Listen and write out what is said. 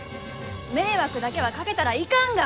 迷惑だけはかけたらいかんが！